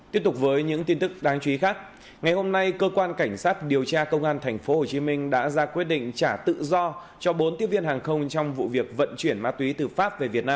tiếp tục với những tin tức đáng chú ý khác ngày hôm nay cơ quan cảnh sát điều tra công an tp hcm đã ra quyết định trả tự do cho bốn tiếp viên hàng không trong vụ việc vận chuyển ma túy từ pháp về việt nam